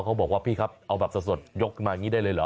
เขาบอกว่าพี่ครับเอาแบบสดยกขึ้นมาอย่างนี้ได้เลยเหรอ